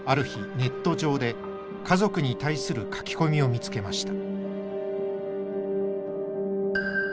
ネット上で家族に対する書き込みを見つけました。